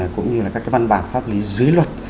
cũng như là các cái văn bản pháp lý dưới luật